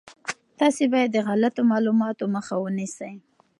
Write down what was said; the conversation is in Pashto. تاسي باید د غلطو معلوماتو مخه ونیسئ.